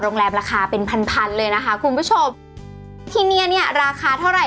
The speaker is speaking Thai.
โรงแรมราคาเป็นพันแล้วนะคะคุณผู้โชคที่เนียราคาเท่าไหร่